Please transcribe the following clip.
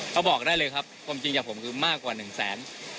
เขาบอกได้เลยครับความจริงจากผมคือมากกว่าหนึ่งแสน